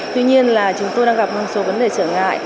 tuy nhiên là chúng tôi đang gặp một số vấn đề trở ngại